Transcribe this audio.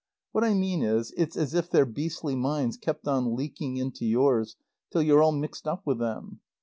What I mean is it's as if their beastly minds kept on leaking into yours till you're all mixed up with them.